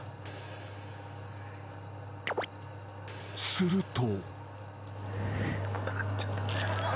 ［すると］